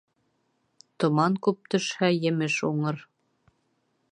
Томан күп төшһә, емеш уңыр.